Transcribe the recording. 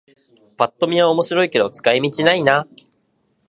ぱっと見は面白いけど使い道ないな